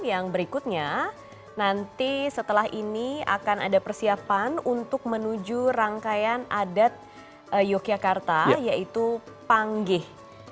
yang berikutnya nanti setelah ini akan ada persiapan untuk menuju rangkaian adat yogyakarta yaitu panggih